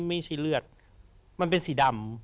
ไม่ใช่เลือดมันเป็นสีดำ